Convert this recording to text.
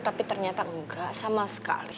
tapi ternyata enggak sama sekali